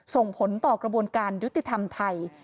ส่งผลต่อกระบวนการยุติธรรมไทย